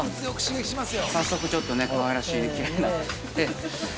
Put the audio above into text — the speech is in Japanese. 早速ちょっと、かわいらしい、きれいなね。